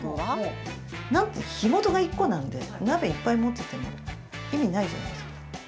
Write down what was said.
火元が１個なんで鍋いっぱい持ってても意味ないじゃないですか。